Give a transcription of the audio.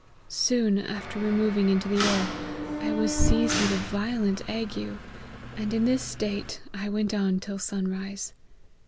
Soon after removing into the air, I was seized with a violent ague, and in this state I went on till sun rise.